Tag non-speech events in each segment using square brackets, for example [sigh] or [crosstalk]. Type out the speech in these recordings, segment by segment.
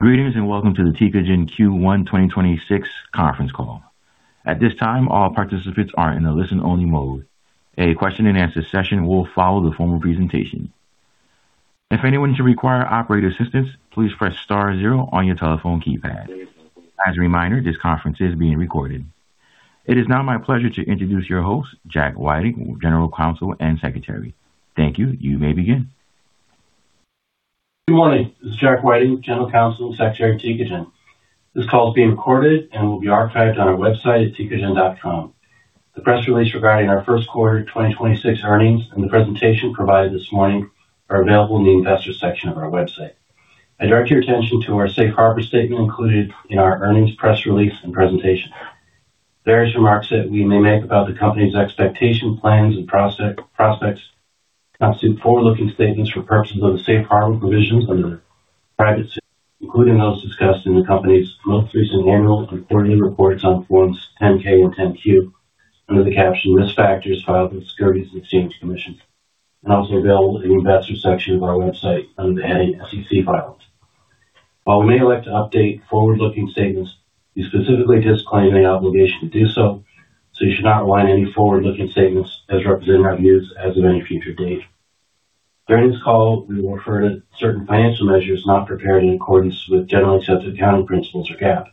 Greetings, and welcome to the Tecogen Q1 2026 conference call. At this time, all participants are in a listen-only mode. A question-and-answer session will follow the formal presentation. If anyone should require operator assistance, please press star zero on your telephone keypad. As a reminder, this conference is being recorded. It is now my pleasure to introduce your host, Jack Whiting, General Counsel and Secretary. Thank you. You may begin. Good morning. This is Jack Whiting, General Counsel and Secretary at Tecogen. This call is being recorded and will be archived on our website at tecogen.com. The press release regarding our first quarter 2026 earnings and the presentation provided this morning are available in the investor section of our website. I direct your attention to our safe harbor statement included in our earnings press release and presentation. Various remarks that we may make about the company's expectations, plans, and prospects constitute forward-looking statements for purposes of the Safe Harbor provisions under the Private Securities, including those discussed in the company's most recent annual reports on Forms 10-K and 10-Q under the caption "Risk Factors" filed with Securities and Exchange Commission, and also available in the investor section of our website under the heading SEC Files. While we may elect to update forward-looking statements, we specifically disclaim any obligation to do so. You should not rely on any forward-looking statements as representing our views as of any future date. During this call, we will refer to certain financial measures not prepared in accordance with generally accepted accounting principles or GAAP.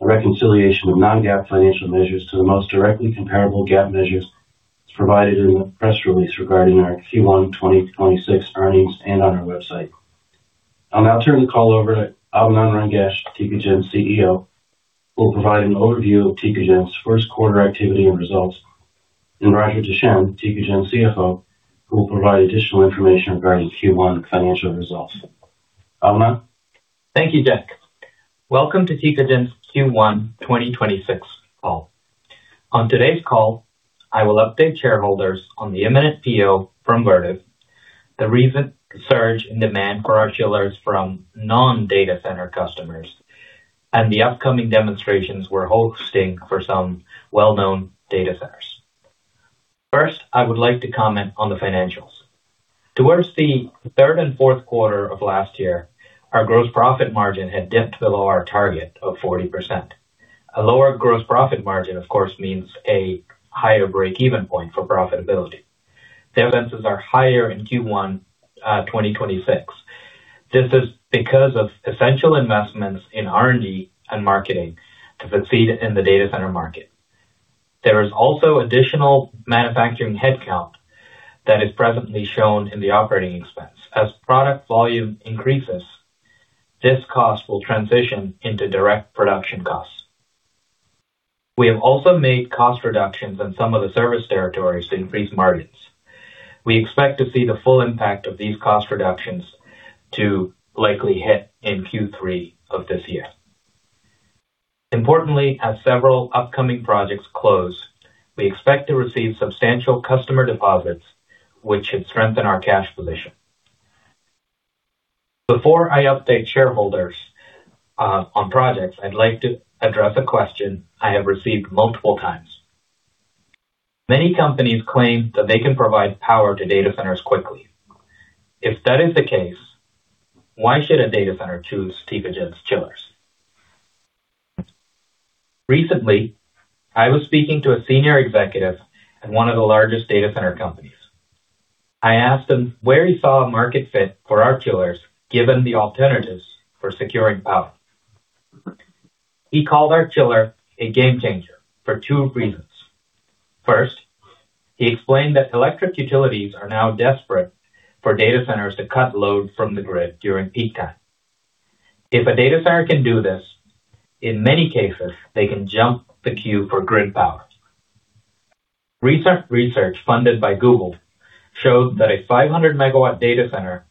A reconciliation of non-GAAP financial measures to the most directly comparable GAAP measures is provided in the press release regarding our Q1 2026 earnings and on our website. I'll now turn the call over to Abinand Rangesh, Tecogen's CEO, who will provide an overview of Tecogen's first quarter activity and results. Roger Deschenes, Tecogen's CFO, who will provide additional information regarding Q1 financial results. Abinand. Thank you, Jack. Welcome to Tecogen's Q1 2026 call. On today's call, I will update shareholders on the imminent PO from Vertiv, the recent surge in demand for our chillers from non-data center customers, and the upcoming demonstrations we're hosting for some well-known data centers. First, I would like to comment on the financials. Towards the third and fourth quarter of last year, our gross profit margin had dipped below our target of 40%. A lower gross profit margin, of course, means a higher break-even point for profitability. The evidences are higher in Q1 2026. This is because of essential investments in R&D and marketing to succeed in the data center market. There is also additional manufacturing headcount that is presently shown in the operating expense. As product volume increases, this cost will transition into direct production costs. We have also made cost reductions in some of the service territories to increase margins. We expect to see the full impact of these cost reductions to likely hit in Q3 of this year. Importantly, as several upcoming projects close, we expect to receive substantial customer deposits, which should strengthen our cash position. Before I update shareholders on projects, I'd like to address a question I have received multiple times. Many companies claim that they can provide power to data centers quickly. If that is the case, why should a data center choose Tecogen's chillers? Recently, I was speaking to a senior executive at one of the largest data center companies. I asked him where he saw a market fit for our chillers, given the alternatives for securing power. He called our chiller a game changer for two reasons. First, he explained that electric utilities are now desperate for data centers to cut load from the grid during peak time. If a data center can do this, in many cases, they can jump the queue for grid power. Recent research funded by Google showed that a 500 MW data center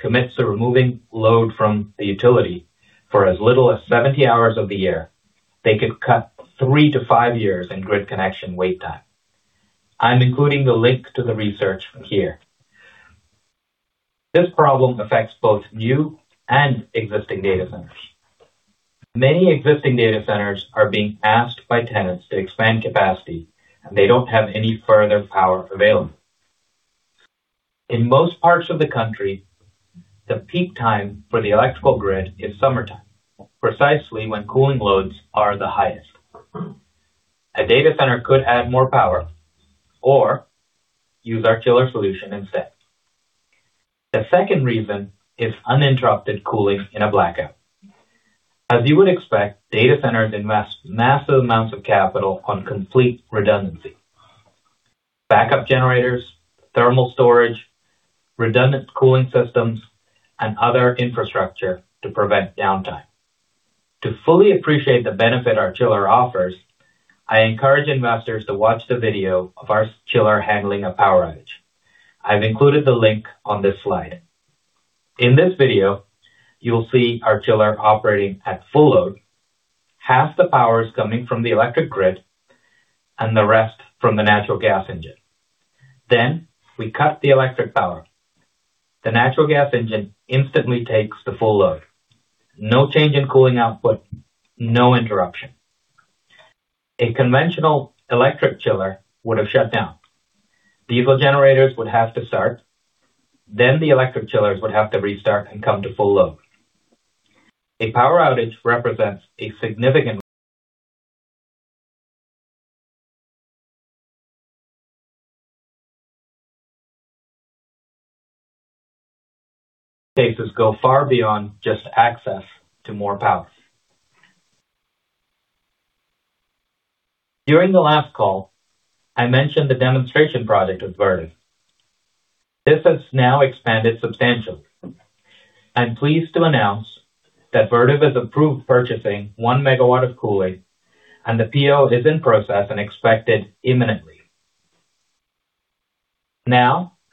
commits to removing load from the utility for as little as 70 hours of the year, they could cut 3-5 years in grid connection wait time. I'm including the link to the research here. This problem affects both new and existing data centers. Many existing data centers are being asked by tenants to expand capacity, and they don't have any further power available. In most parts of the country, the peak time for the electrical grid is summertime, precisely when cooling loads are the highest. A data center could add more power or use our chiller solution instead. The second reason is uninterrupted cooling in a blackout. As you would expect, data centers invest massive amounts of capital on complete redundancy. Backup generators, thermal storage, redundant cooling systems, and other infrastructure to prevent downtime. To fully appreciate the benefit our chiller offers, I encourage investors to watch the video of our chiller handling a power outage. I've included the link on this slide. In this video, you will see our chiller operating at full load. Half the power is coming from the electric grid and the rest from the natural gas engine. We cut the electric power. The natural gas engine instantly takes the full load. No change in cooling output, no interruption. A conventional electric chiller would have shut down. Diesel generators would have to start, then the electric chillers would have to restart and come to full load. A power outage represents a significant Cases go far beyond just access to more power. During the last call, I mentioned the demonstration project with Vertiv. This has now expanded substantially. I'm pleased to announce that Vertiv has approved purchasing 1 MW of cooling, and the PO is in process and expected imminently.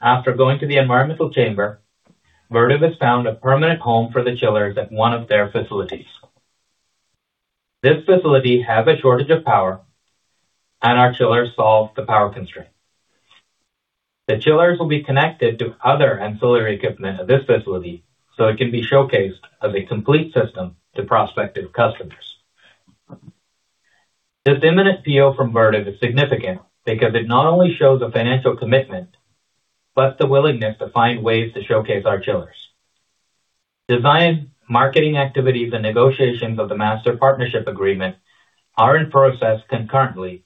After going to the environmental chamber, Vertiv has found a permanent home for the chillers at one of their facilities. This facility has a shortage of power, and our chillers solve the power constraint. The chillers will be connected to other ancillary equipment at this facility, so it can be showcased as a complete system to prospective customers. This imminent PO from Vertiv is significant because it not only shows a financial commitment, but the willingness to find ways to showcase our chillers. Design, marketing activities, and negotiations of the master partnership agreement are in process concurrently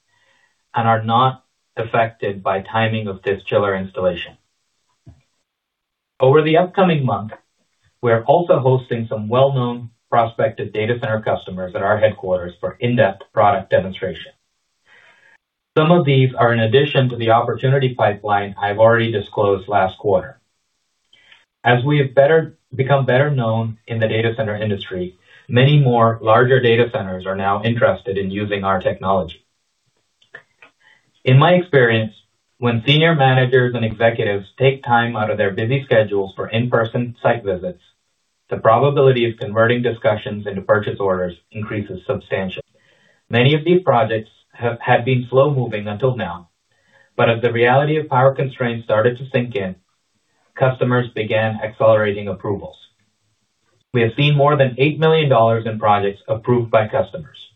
and are not affected by timing of this chiller installation. Over the upcoming month, we are also hosting some well-known prospective data center customers at our headquarters for in-depth product demonstration. Some of these are in addition to the opportunity pipeline I've already disclosed last quarter. As we have become better known in the data center industry, many more larger data centers are now interested in using our technology. In my experience, when senior managers and executives take time out of their busy schedules for in-person site visits, the probability of converting discussions into purchase orders increases substantially. Many of these projects have been slow-moving until now, as the reality of power constraints started to sink in, customers began accelerating approvals. We have seen more than $8 million in projects approved by customers.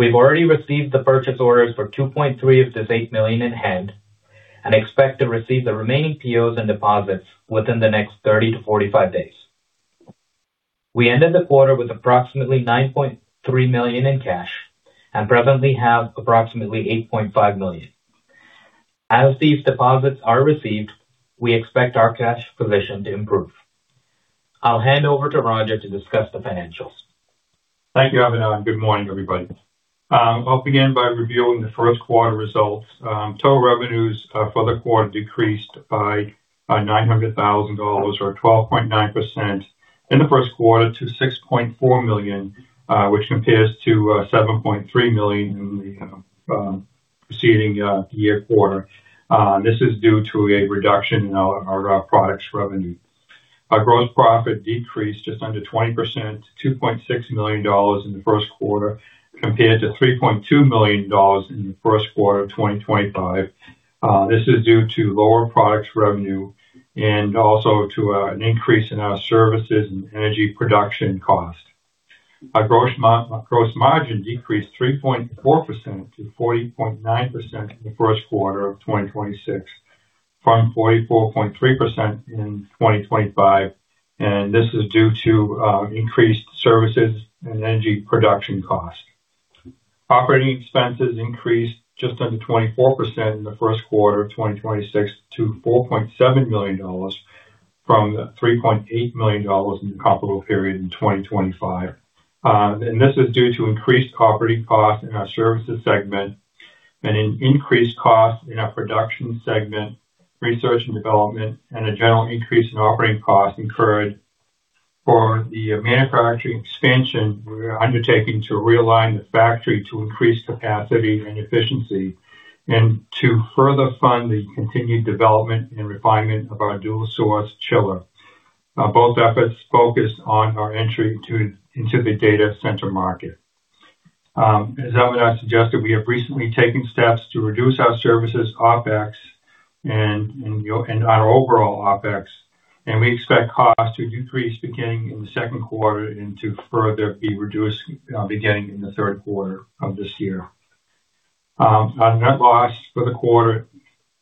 We've already received the purchase orders for $2.3 million of this $8 million in hand and expect to receive the remaining POs and deposits within the next 30-45 days. We ended the quarter with approximately $9.3 million in cash and presently have approximately $8.5 million. As these deposits are received, we expect our cash position to improve. I'll hand over to Roger to discuss the financials. Thank you, Abinand Rangesh. Good morning, everybody. I'll begin by reviewing the first quarter results. Total revenues for the quarter decreased by $900,000 or 12.9% in the first quarter to $6.4 million, which compares to $7.3 million in the preceding year quarter. This is due to a reduction in our products revenue. Our gross profit decreased just under 20% to $2.6 million in the first quarter, compared to $3.2 million in the first quarter of 2025. This is due to lower products revenue and also to an increase in our services and energy production costs. Our gross margin decreased 3.4% to 40.9% in the first quarter of 2026, from 44.3% in 2025. This is due to increased services and energy production costs. Operating expenses increased just under 24% in the first quarter of 2026 to $4.7 million from $3.8 million in the comparable period in 2025. This is due to increased operating costs in our services segment and an increased cost in our production segment, research and development, and a general increase in operating costs incurred for the manufacturing expansion we are undertaking to realign the factory to increase capacity and efficiency and to further fund the continued development and refinement of our dual-power source chiller. Both efforts focus on our entry into the data center market. As Abinand suggested, we have recently taken steps to reduce our services OpEx and, you know, and our overall OpEx, and we expect costs to decrease beginning in the second quarter and to further be reduced beginning in the third quarter of this year. Our net loss for the quarter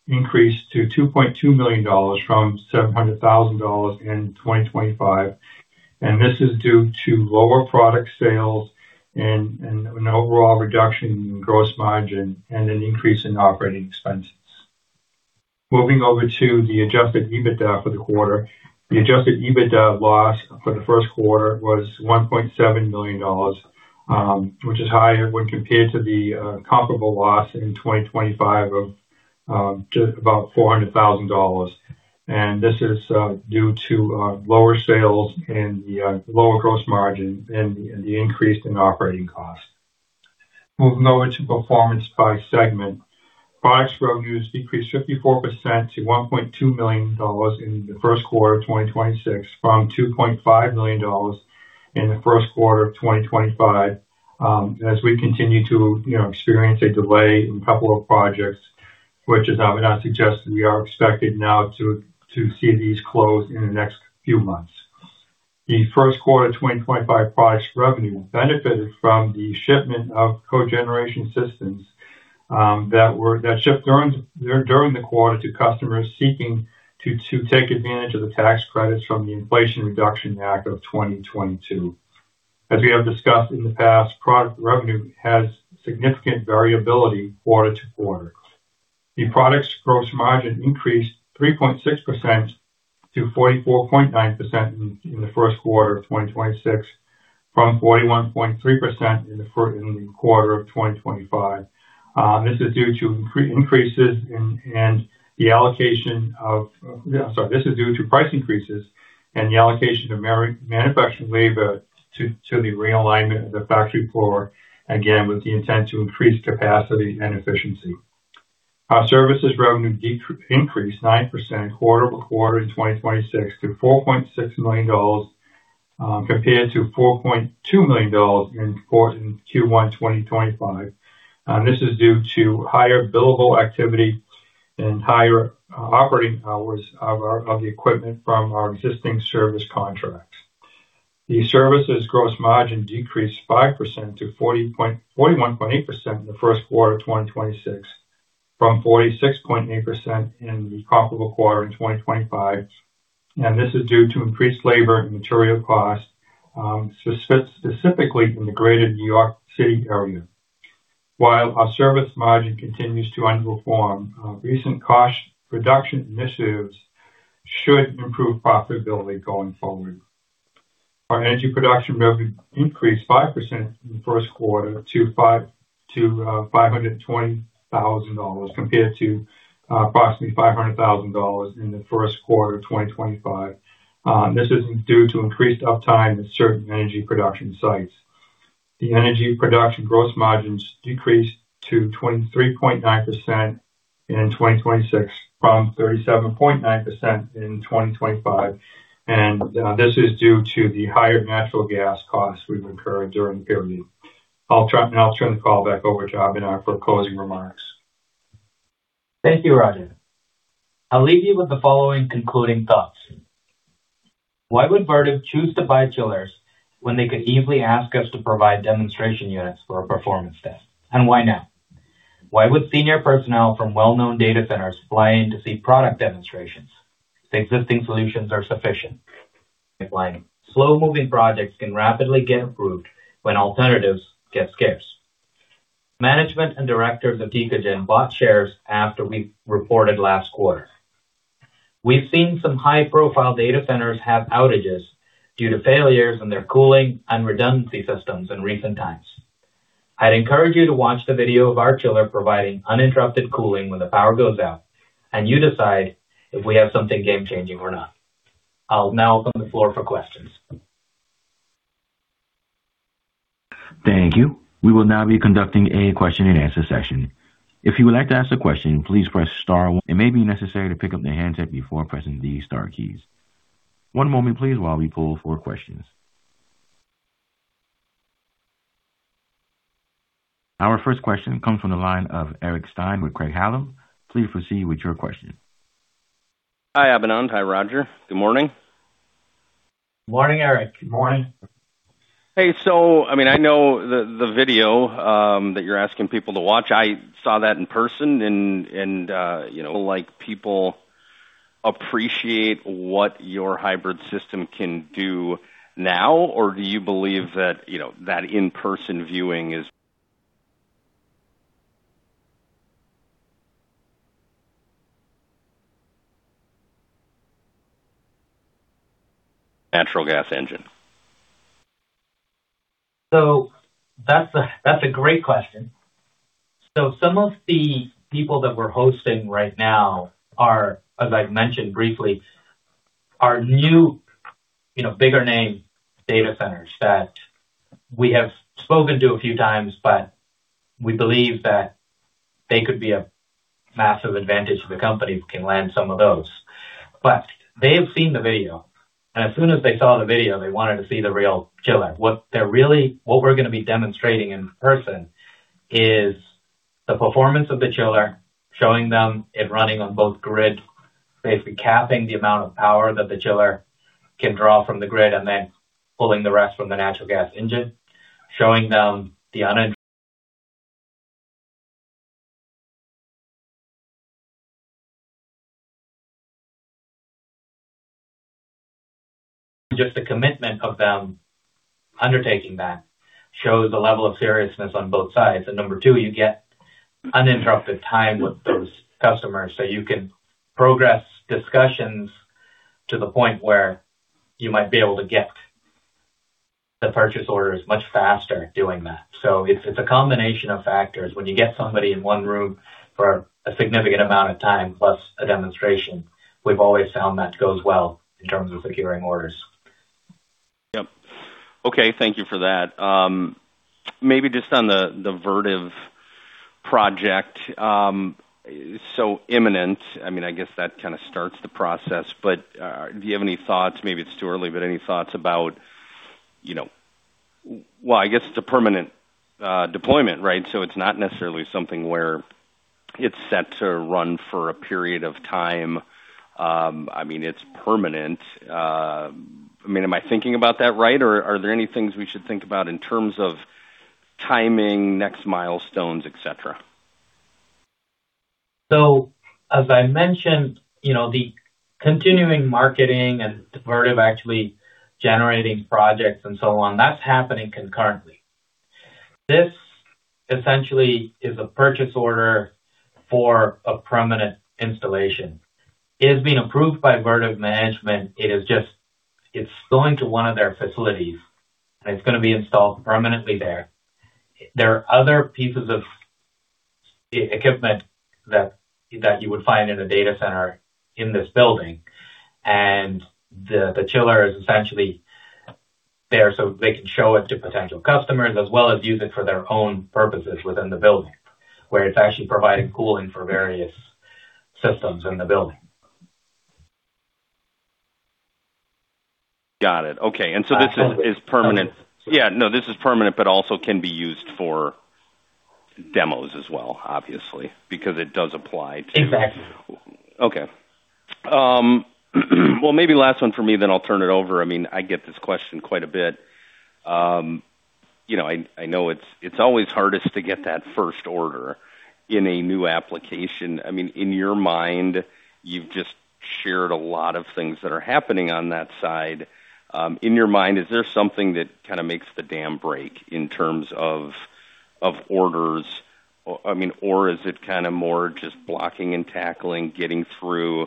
increased to $2.2 million from $700,000 in 2025, and this is due to lower product sales and an overall reduction in gross margin and an increase in operating expenses. Moving over to the Adjusted EBITDA for the quarter. The Adjusted EBITDA loss for the first quarter was $1.7 million, which is higher when compared to the comparable loss in 2025 of just about $400,000. This is due to lower sales and the lower gross margin and the increase in operating costs. Moving over to performance by segment. Products revenues decreased 54% to $1.2 million in the first quarter of 2026 from $2.5 million in the first quarter of 2025, as we continue to, you know, experience a delay in a couple of projects, which as Abinand Rangesh suggested, we are expected now to see these close in the next few months. The first quarter 2025 products revenue benefited from the shipment of cogeneration systems that shipped during the quarter to customers seeking to take advantage of the tax credits from the Inflation Reduction Act of 2022. As we have discussed in the past, product revenue has significant variability quarter-to-quarter. The products gross margin increased 3.6% to 44.9% in the first quarter of 2026, from 41.3% in the quarter of 2025. This is due to price increases and the allocation of manufacturing labor to the realignment of the factory floor, again, with the intent to increase capacity and efficiency. Our services revenue increased 9% quarter-over-quarter in 2026 to $4.6 million, compared to $4.2 million in Q1 2025. This is due to higher billable activity and higher operating hours of the equipment from our existing service contracts. The services gross margin decreased 5% to 41.8% in the first quarter of 2026 from 46.8% in the comparable quarter in 2025. This is due to increased labor and material costs, specifically in the greater New York City area. While our service margin continues to underperform, recent cost reduction initiatives should improve profitability going forward. Our energy production revenue increased 5% in the first quarter to $520,000 compared to approximately $500,000 in the first quarter of 2025. This is due to increased uptime at certain energy production sites. The energy production gross margins decreased to 23.9% in 2026 from 37.9% in 2025, and this is due to the higher natural gas costs we've incurred during the period. Now I'll turn the call back over to Abinand for closing remarks. Thank you, Roger. I'll leave you with the following concluding thoughts. Why would Vertiv choose to buy chillers when they could easily ask us to provide demonstration units for a performance test? Why now? Why would senior personnel from well-known data centers fly in to see product demonstrations if the existing solutions are sufficient? Slow-moving projects can rapidly get approved when alternatives get scarce. Management and directors of Tecogen bought shares after we reported last quarter. We've seen some high-profile data centers have outages due to failures in their cooling and redundancy systems in recent times. I'd encourage you to watch the video of our chiller providing uninterrupted cooling when the power goes out, and you decide if we have something game-changing or not. I'll now open the floor for questions. Thank you we will now be conducting question-and-answer session. If you like to ask question, please press star it may be necessary to put up your handset before pressing this star key. One moment please while we pull for questions. Our first question comes from the line of Eric Stine with Craig-Hallum. Please proceed with your question. Hi, Abinand. Hi, Roger. Good morning. Morning, Eric. Good morning. I mean, I know the video that you're asking people to watch, I saw that in person and, you know, like, people appreciate what your hybrid system can do now or do you believe that, you know, that in-person viewing is? That's a great question. Some of the people that we're hosting right now are, as I've mentioned briefly, are new, you know, bigger name data centers that we have spoken to a few times. We believe that they could be a massive advantage to the company if we can land some of those. They have seen the video, and as soon as they saw the video, they wanted to see the real chiller. What we're gonna be demonstrating in person is the performance of the chiller, showing them it running on both grid, basically capping the amount of power that the chiller can draw from the grid, and then pulling the rest from the natural gas engine. Just the commitment of them undertaking that shows a level of seriousness on both sides. Number two, you get uninterrupted time with those customers, so you can progress discussions to the point where you might be able to get the purchase orders much faster doing that. It's a combination of factors. When you get somebody in one room for a significant amount of time plus a demonstration, we've always found that goes well in terms of securing orders. Yep. Okay. Thank you for that. Maybe just on the Vertiv project, so imminent, I mean, I guess that kind of starts the process, but do you have any thoughts, maybe it's too early, but any thoughts about, you know, well, I guess it's a permanent deployment, right? It's not necessarily something where it's set to run for a period of time. I mean, it's permanent. I mean, am I thinking about that right? Or are there any things we should think about in terms of timing, next milestones, et cetera? As I mentioned, you know, the continuing marketing and Vertiv actually generating projects and so on, that's happening concurrently. This essentially is a purchase order for a permanent installation. It has been approved by Vertiv management. It's going to one of their facilities, and it's going to be installed permanently there. There are other pieces of equipment that you would find in a data center in this building, and the chiller is essentially there so they can show it to potential customers as well as use it for their own purposes within the building, where it's actually providing cooling for various systems in the building. Got it. Okay. This is permanent. Yeah, no, this is permanent, but also can be used for demos as well, obviously, because it does apply. Exactly. Okay. Maybe last one for me, then I'll turn it over. I mean, I get this question quite a bit. You know, I know it's always hardest to get that first order in a new application. I mean, in your mind, you've just shared a lot of things that are happening on that side. In your mind, is there something that kind of makes the dam break in terms of orders? I mean, is it kind of more just blocking and tackling, getting through,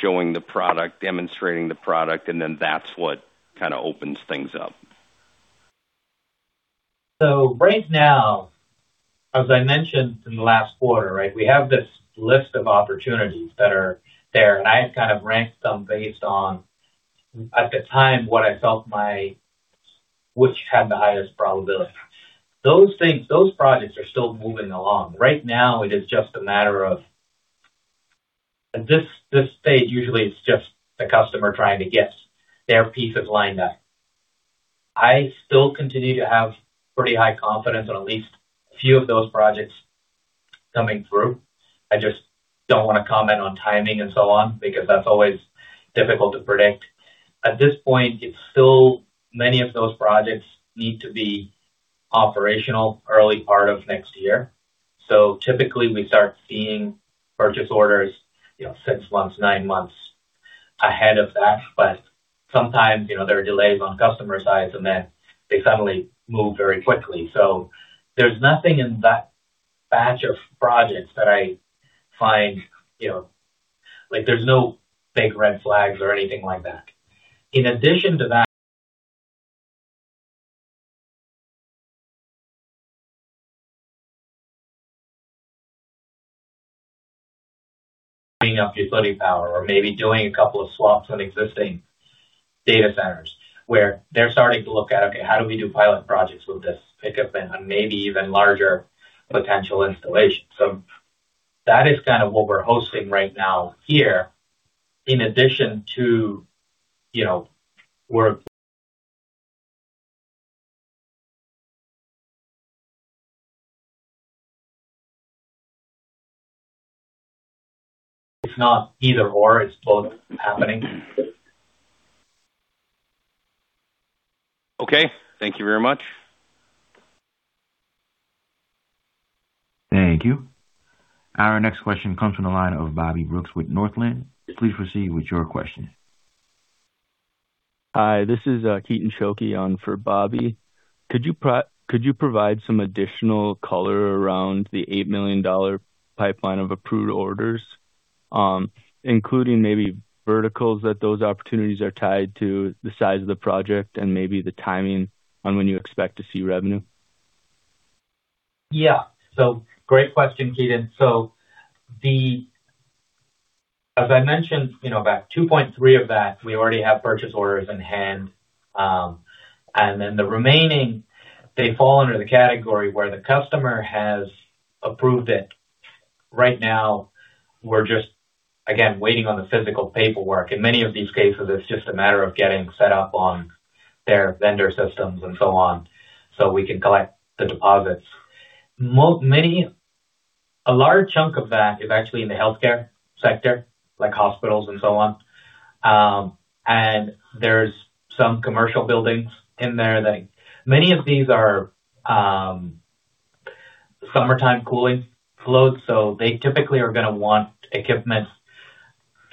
showing the product, demonstrating the product, and then that's what kind of opens things up? Right now, as I mentioned in the last quarter, right, we have this list of opportunities that are there, and I have kind of ranked them based on, at the time, what I felt had the highest probability. Those things, those projects are still moving along. Right now it is just a matter of at this stage, usually it's just the customer trying to get their pieces lined up. I still continue to have pretty high confidence on at least a few of those projects coming through. I just don't wanna comment on timing and so on because that's always difficult to predict. At this point, it's still many of those projects need to be operational early part of next year. Typically we start seeing purchase orders, you know, six months, nine months ahead of that. Sometimes, you know, there are delays on customer sides, and then they suddenly move very quickly. There's nothing in that batch of projects that I find, you know, like, there's no big red flags or anything like that. In addition to that, bringing up utility power or maybe doing a couple of slots on existing data centers where they're starting to look at, okay, how do we do pilot projects with this equipment and maybe even larger potential installations? That is kind of what we're hosting right now here in addition to, you know, it's not either/or, it's both happening. Okay. Thank you very much. Thank you. Our next question comes from the line of Bobby Brooks with Northland. Please proceed with your question. Hi, this is Keaton Schuelke on for Bobby. Could you provide some additional color around the $8 million pipeline of approved orders, including maybe verticals that those opportunities are tied to the size of the project and maybe the timing on when you expect to see revenue? Yeah. Great question, Keaton. As I mentioned, you know, about $2.3 million of that we already have purchase orders in hand. The remaining, they fall under the category where the customer has approved it. Right now we're just, again, waiting on the physical paperwork. In many of these cases, it's just a matter of getting set up on their vendor systems and so on, so we can collect the deposits. A large chunk of that is actually in the healthcare sector, like hospitals and so on. There's some commercial buildings in there. Many of these are summertime cooling loads, so they typically are gonna want equipment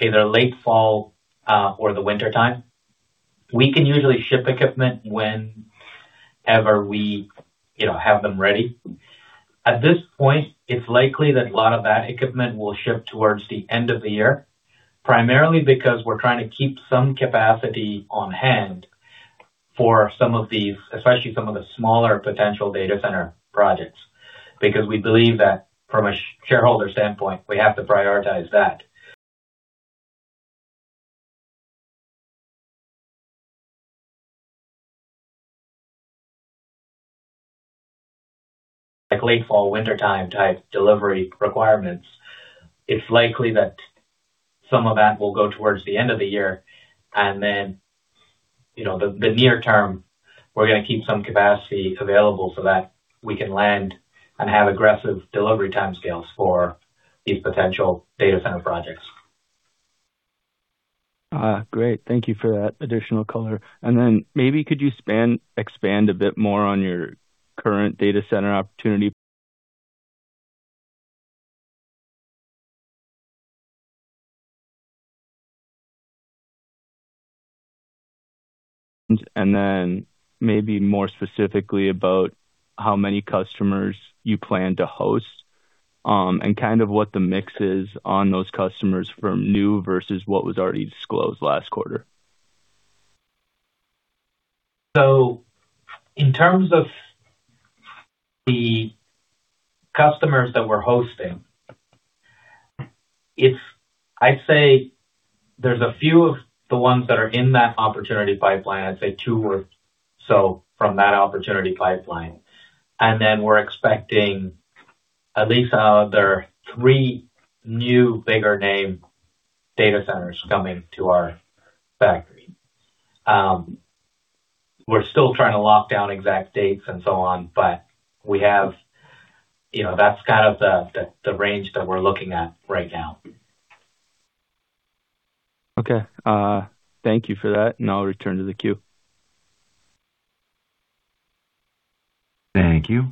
either late fall or the wintertime. We can usually ship equipment whenever we, you know, have them ready. At this point, it's likely that a lot of that equipment will ship towards the end of the year, primarily because we're trying to keep some capacity on hand for some of these, especially some of the smaller potential data center projects. We believe that from a shareholder standpoint, we have to prioritize that, like late fall, wintertime type delivery requirements. It's likely that some of that will go towards the end of the year and then, you know, the near term, we're gonna keep some capacity available so that we can land and have aggressive delivery timescales for these potential data center projects. Great. Thank you for that additional color. Maybe could you expand a bit more on your current data center opportunity? Maybe more specifically about how many customers you plan to host, and what the mix is on those customers from new versus what was already disclosed last quarter. In terms of the customers that we're hosting, if I say there's a few of the ones that are in that opportunity pipeline, I'd say two or so from that opportunity pipeline. We're expecting at least another three new bigger name data centers coming to our factory. We're still trying to lock down exact dates and so on, but we have You know, that's kind of the range that we're looking at right now. Okay. Thank you for that, and I'll return to the queue. Thank you.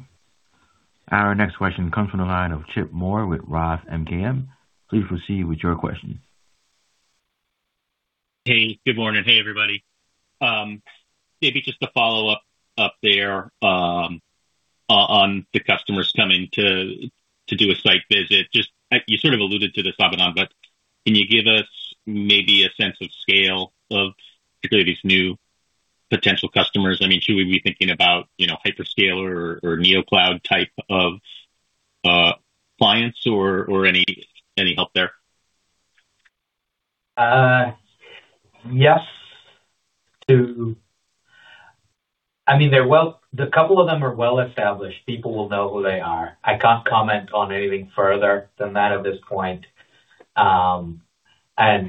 Our next question comes from the line of Chip Moore with Roth MKM. Please proceed with your question. Hey, good morning. Hey, everybody. Maybe just to follow up there on the customers coming to do a site visit. Just you sort of alluded to this, Abinand, but can you give us maybe a sense of scale of particularly these new potential customers? I mean, should we be thinking about, you know, hyperscale or Neocloud type of clients or any help there? Yes, I mean, a couple of them are well-established. People will know who they are. I can't comment on anything further than that at this point. Again,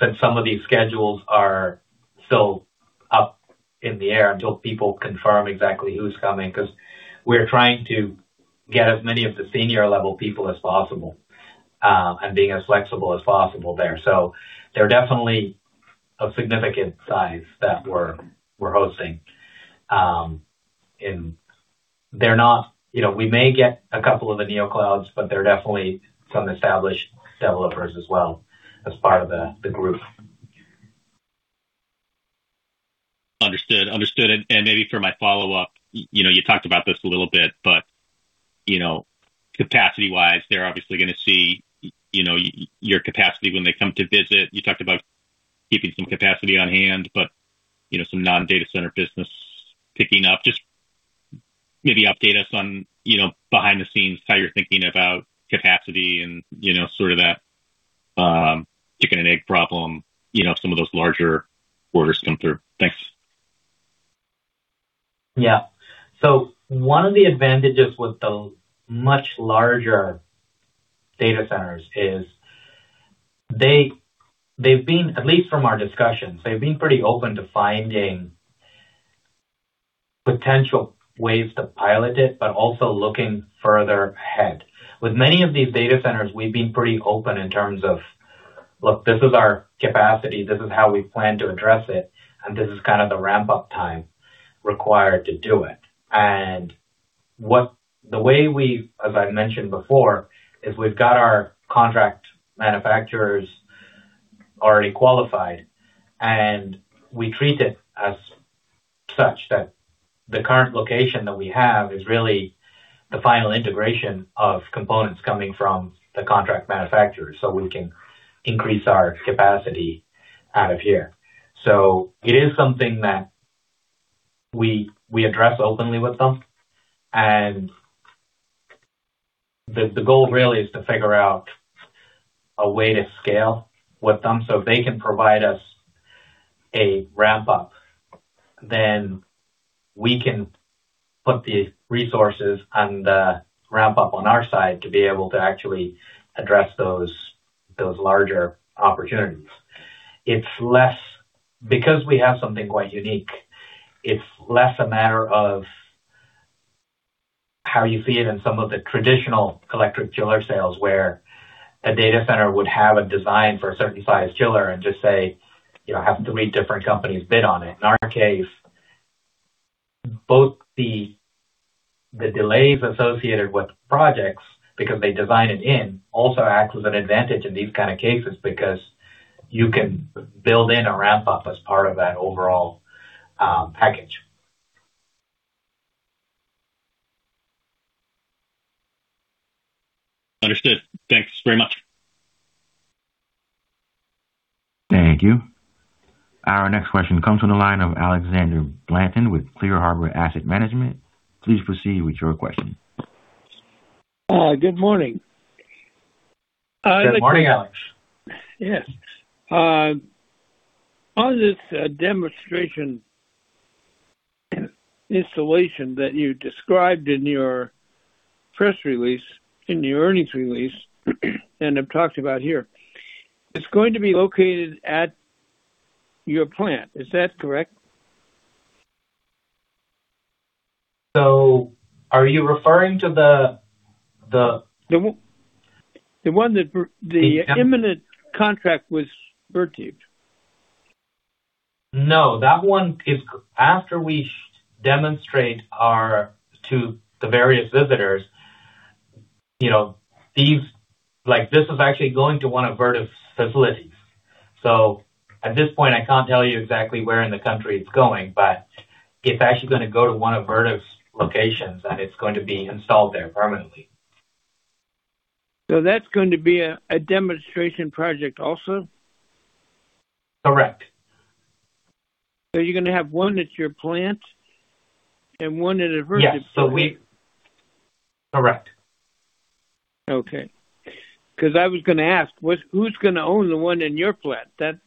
since some of these schedules are still up in the air until people confirm exactly who's coming, 'cause we're trying to get as many of the senior-level people as possible, and being as flexible as possible there. They're definitely a significant size that we're hosting. You know, we may get a couple of the Neoclouds, but they're definitely some established developers as well as part of the group. Understood. Understood. Maybe for my follow-up, you know, you talked about this a little bit, but, you know, capacity-wise, they're obviously gonna see, you know, your capacity when they come to visit. You talked about keeping some capacity on hand, you know, some non-data center business picking up. Just maybe update us on, you know, behind the scenes, how you're thinking about capacity and, you know, sort of that chicken and egg problem, you know, if some of those larger orders come through. Thanks. Yeah. One of the advantages with the much larger data centers is they've been. At least from our discussions, they've been pretty open to finding potential ways to pilot it, but also looking further ahead. With many of these data centers, we've been pretty open in terms of, "Look, this is our capacity, this is how we plan to address it, and this is kind of the ramp-up time required to do it." The way we've, as I mentioned before, is we've got our contract manufacturers already qualified, and we treat it as such that the current location that we have is really the final integration of components coming from the contract manufacturer, so we can increase our capacity out of here. It is something that we address openly with them. The goal really is to figure out a way to scale with them, so if they can provide us a ramp-up, then we can put the resources and the ramp-up on our side to be able to actually address those larger opportunities. Because we have something quite unique, it's less a matter of how you see it in some of the traditional electric chiller sales, where a data center would have a design for a certain size chiller and just say, you know, "I have three different companies bid on it." In our case, both the delays associated with projects because they design it in also acts as an advantage in these kind of cases because you can build in a ramp-up as part of that overall package. Understood. Thanks very much. Thank you. Our next question comes from the line of Alexander Blanton with Clear Harbor Asset Management. Please proceed with your question. good morning. Good morning, Alex. Yes. On this demonstration installation that you described in your press release, in the earnings release, and have talked about here, it's going to be located at your plant. Is that correct? Are you referring to the? The one that the imminent contract with Vertiv. No, that one is after we demonstrate our, to the various visitors. You know, these Like, this is actually going to one of Vertiv's facilities. At this point, I can't tell you exactly where in the country it's going, but it's actually gonna go to one of Vertiv's locations, and it's going to be installed there permanently. That's going to be a demonstration project also? Correct. You're gonna have one at your plant and one at Vertiv's. Yes. We Correct. Okay. 'Cause I was gonna ask, who's gonna own the one in your plant? That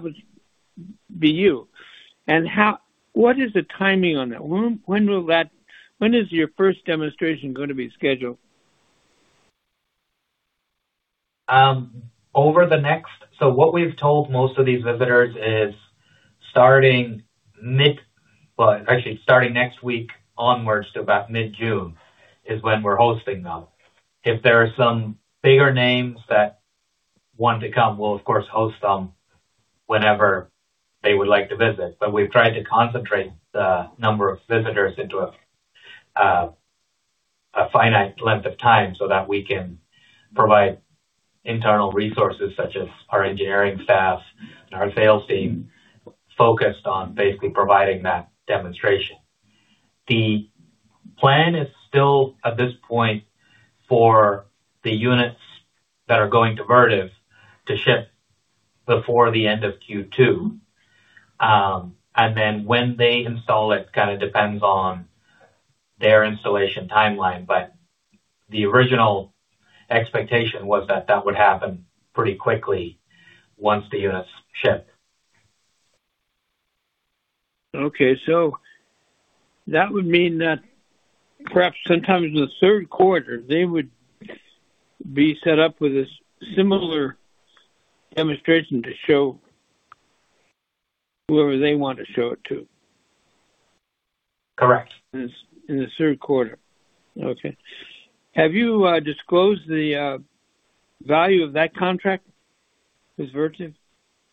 would be you. What is the timing on that? When is your first demonstration gonna be scheduled? What we've told most of these visitors is starting mid, well, actually starting next week onwards to about mid-June is when we're hosting them. If there are some bigger names that want to come, we'll of course host them whenever they would like to visit. We've tried to concentrate the number of visitors into a finite length of time so that we can provide internal resources such as our engineering staff and our sales team focused on basically providing that demonstration. The plan is still, at this point, for the units that are going to Vertiv to ship before the end of Q2. When they install, it kinda depends on their installation timeline. The original expectation was that that would happen pretty quickly once the units ship. Okay. That would mean that perhaps sometime in the third quarter, they would be set up with a similar demonstration to show whoever they want to show it to. Correct. In the third quarter. Okay. Have you disclosed the value of that contract with Vertiv?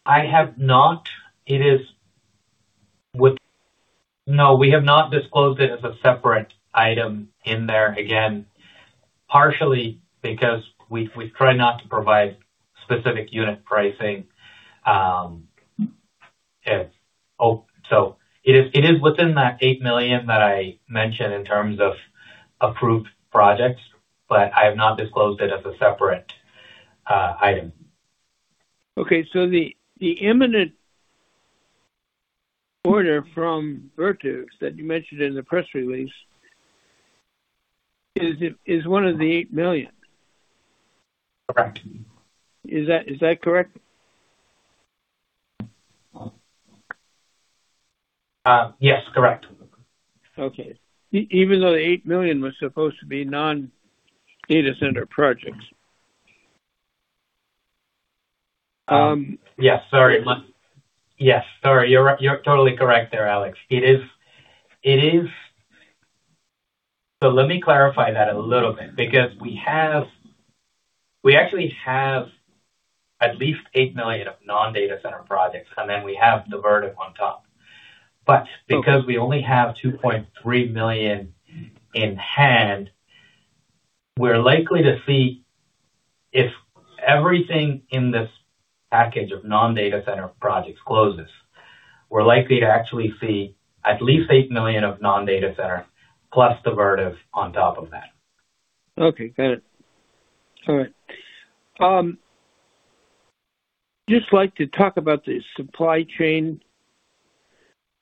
I have not. We have not disclosed it as a separate item in there. Partially because we try not to provide specific unit pricing. It is within that $8 million that I mentioned in terms of approved projects, but I have not disclosed it as a separate item. Okay, the imminent order from Vertiv that you mentioned in the press release is one of the $8 million? Correct. Is that correct? Yes, correct. Okay. Even though the $8 million was supposed to be non-data center projects. Yes, sorry. You're totally correct there, Alex. Let me clarify that a little bit because we actually have at least $8 million of non-data center projects, and then we have the Vertiv on top. because we only have $2.3 million in hand, we're likely to see if everything in this package of non-data center projects closes, we're likely to actually see at least $8 million of non-data center plus the Vertiv on top of that. Okay, got it. All right. Just like to talk about the supply chain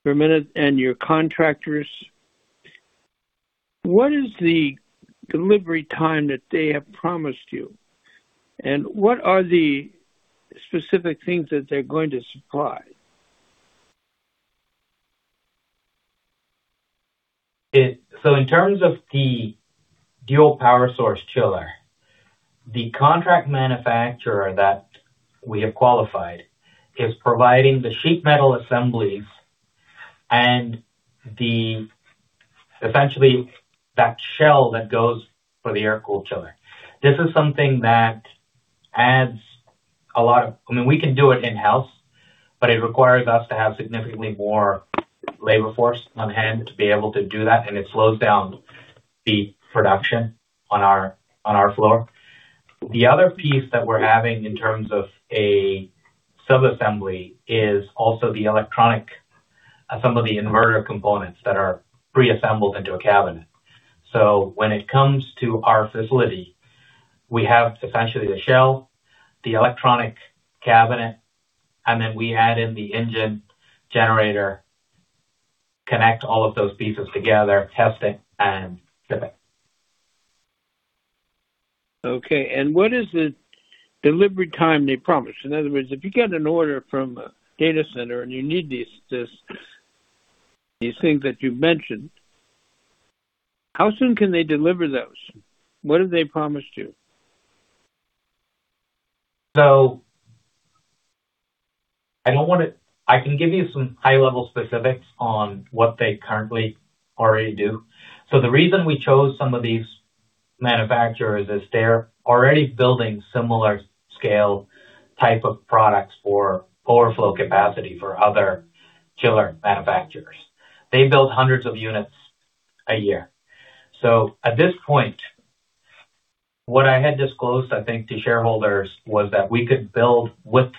for a minute and your contractors. What is the delivery time that they have promised you? What are the specific things that they're going to supply? In terms of the dual-power source chiller, the contract manufacturer that we have qualified is providing the sheet metal assemblies and the, essentially that shell that goes for the air-cooled chiller. This is something that adds a lot of, I mean, we can do it in-house, but it requires us to have significantly more labor force on hand to be able to do that, and it slows down the production on our floor. The other piece that we're having in terms of a sub-assembly is also the electronic assembly inverter components that are preassembled into a cabinet. When it comes to our facility, we have essentially the shell, the electronic cabinet, and then we add in the engine generator, connect all of those pieces together, test it and ship it. Okay. What is the delivery time they promise? In other words, if you get an order from a data center and you need these things that you've mentioned, how soon can they deliver those? What did they promise you? I can give you some high-level specifics on what they currently already do. The reason we chose some of these manufacturers is they're already building similar scale type of products for power flow capacity for other chiller manufacturers. They build hundreds of units a year. At this point, what I had disclosed, I think, to shareholders was that we could build with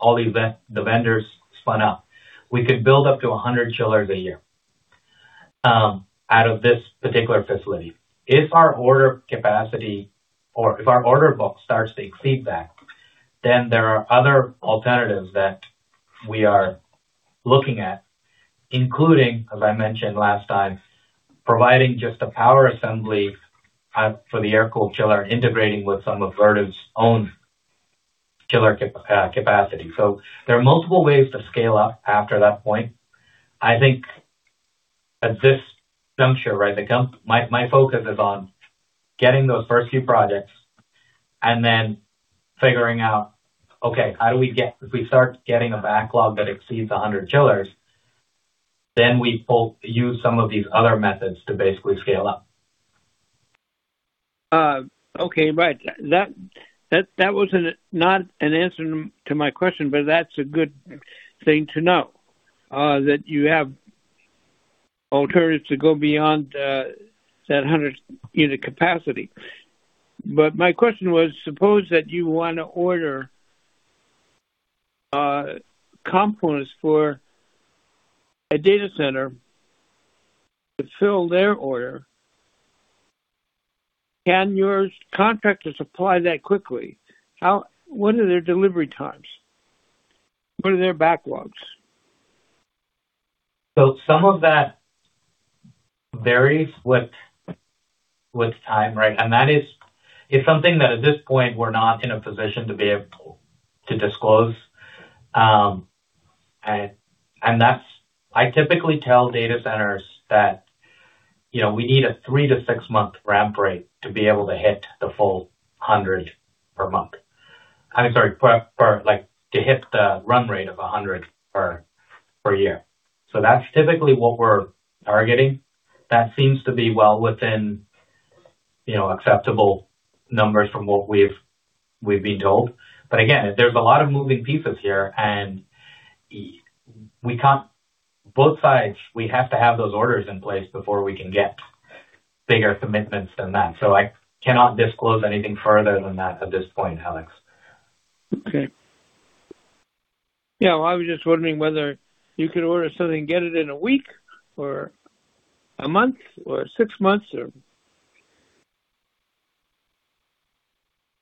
all the vendors spun up. We could build up to 100 chillers a year out of this particular facility. If our order capacity or if our order book starts to exceed that, then there are other alternatives that we are looking at, including, as I mentioned last time, providing just a power assembly for the air-cooled chiller integrating with some of Vertiv's own chiller capacity. There are multiple ways to scale up after that point. I think at this juncture, right, My focus is on getting those first few projects and then figuring out, okay, how do we get If we start getting a backlog that exceeds 100 chillers, then we use some of these other methods to basically scale up. okay. Right. That wasn't not an answer to my question, but that's a good thing to know, that you have alternatives to go beyond, that 100-unit capacity. My question was, suppose that you wanna order components for a data center to fill their order. Can your contractors supply that quickly? What are their delivery times? What are their backlogs? Some of that varies with time, right? That is, it's something that at this point we're not in a position to be able to disclose. That's, I typically tell data centers that, you know, we need a three to six-month ramp rate to be able to hit the full 100 per month. I'm sorry, to hit the run rate of 100 per year. That's typically what we're targeting. That seems to be well within, you know, acceptable numbers from what we've been told. Again, there's a lot of moving pieces here, and both sides, we have to have those orders in place before we can get bigger commitments than that. I cannot disclose anything further than that at this point, Alex. Okay. Yeah, well, I was just wondering whether you could order something and get it in a week or a month or six months.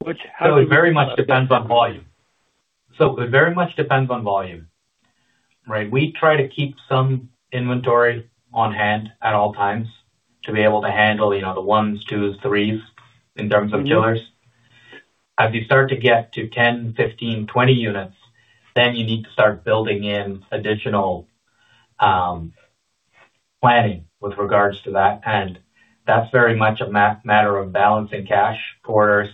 It very much depends on volume. It very much depends on volume, right? We try to keep some inventory on hand at all times to be able to handle, you know, the 1s, 2s, 3s in terms of chillers. As you start to get to 10, 15, 20 units, then you need to start building in additional planning with regards to that. That's very much a matter of balancing cash quarters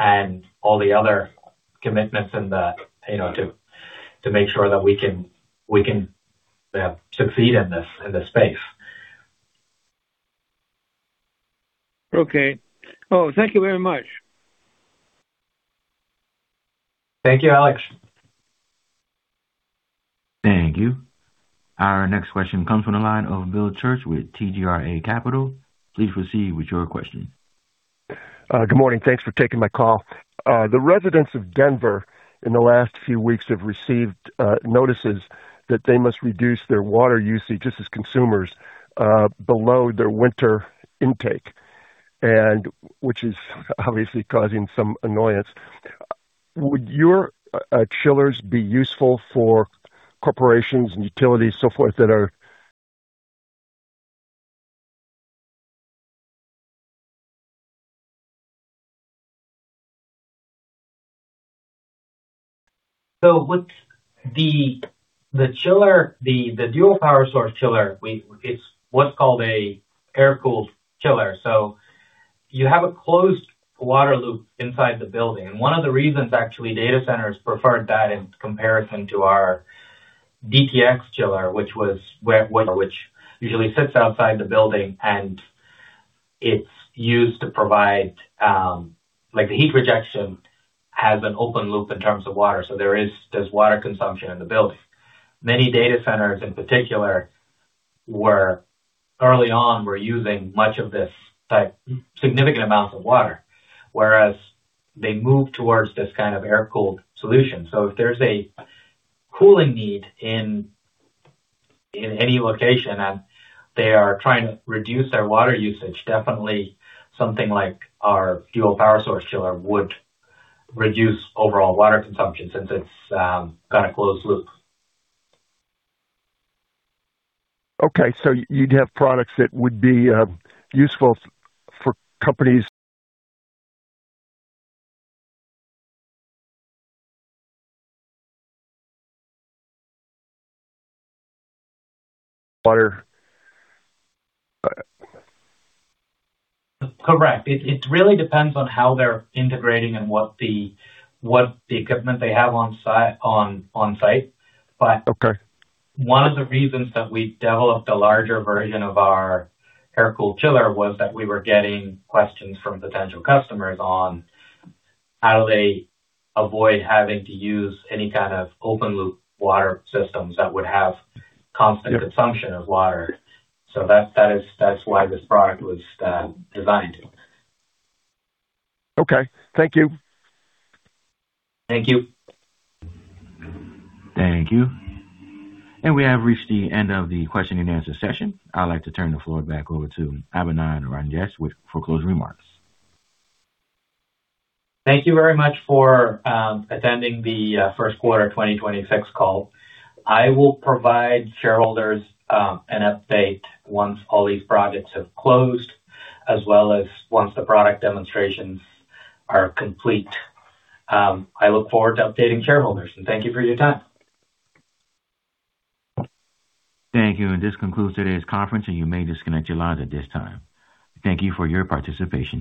and all the other commitments in the, you know, to make sure that we can, yeah, succeed in this, in this space. Okay. Well, thank you very much. Thank you, Alex. Thank you. Our next question comes from the line of Bill Church with TGRA Capital. Please proceed with your question. Good morning. Thanks for taking my call. The residents of Denver in the last few weeks have received notices that they must reduce their water usage just as consumers below their winter intake, which is obviously causing some annoyance. Would your chillers be useful for corporations and utilities, so forth? With the chiller, the dual-power source chiller, it's what's called an air-cooled chiller. You have a closed water loop inside the building. One of the reasons actually data centers preferred that in comparison to our DTX chiller, which usually sits outside the building, and it's used to provide, like the heat rejection has an open loop in terms of water. There's water consumption in the building. Many data centers in particular were early on using much of this type, significant amounts of water, whereas they moved towards this kind of air-cooled solution. If there's a cooling need in any location and they are trying to reduce their water usage, definitely something like our dual-power source chiller would reduce overall water consumption since it's got a closed loop. Okay. You'd have products that would be useful for company's. [audio distortion] Correct. It really depends on how they're integrating and what the equipment they have on site. Okay. One of the reasons that we developed a larger version of our air-cooled chiller was that we were getting questions from potential customers on how do they avoid having to use any kind of open loop water systems that would have constant consumption of water. That's why this product was designed. Okay. Thank you. Thank you. Thank you. We have reached the end of the question-and-answer session. I'd like to turn the floor back over to Abinand Rangesh with closing remarks. Thank you very much for attending the first quarter of 2026 call. I will provide shareholders an update once all these projects have closed, as well as once the product demonstrations are complete. I look forward to updating shareholders and thank you for your time. Thank you. This concludes today's conference. You may disconnect your lines at this time. Thank you for your participation.